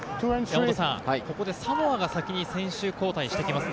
ここでサモアが先に選手交代してきます。